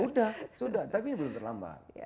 sudah sudah tapi ini belum terlambat